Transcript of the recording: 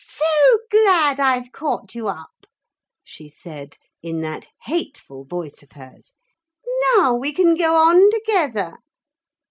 'So glad I've caught you up,' she said in that hateful voice of hers; 'now we can go on together.'